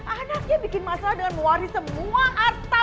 anaknya bikin masalah dengan wari semua arta